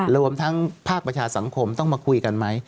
รวมทั้งภาคประชาสังคมต้องมาคุยกันไหม